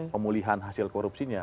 pemulihan hasil korupsinya